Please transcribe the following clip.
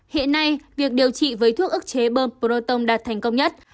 hiện nay việc điều trị với thuốc ức chế bơm proton đạt thành công nhất